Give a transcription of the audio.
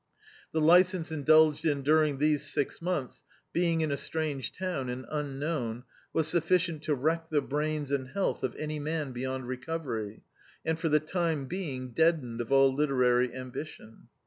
The licence indulged in during these six mcnths, being in a strange town and unknown, was sufficient to wreck the brains and htblth of any man beyond recovery, and for the time being deadened all literary ambition.